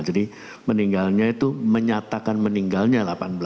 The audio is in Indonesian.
jadi meninggalnya itu menyatakan meninggalnya delapan belas tiga puluh